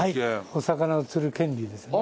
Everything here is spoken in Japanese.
お魚を釣る権利ですね。